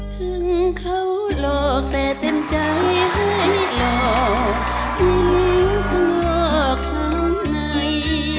ถึงเขาหลอกแต่เต็มใจให้หลอกที่ริ้งทั่วข้างใน